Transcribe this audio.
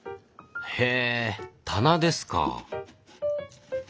へぇ棚ですか。